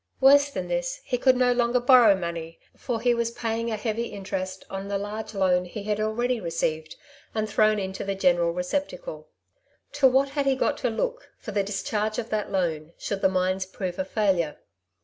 Worse than this, he could no longer borrow money, for he was paying a heavy interest on the large loan he had already received and thrown into the general receptacle. To what had he got to look for the dis charge of that loan, should the mines prove a failure